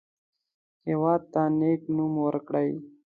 هېواد ته نیک نوم ورکړئ